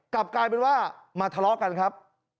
กลับกลายเป็นว่ามาทะเลาะกันครับ